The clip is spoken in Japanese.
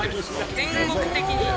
全国的に。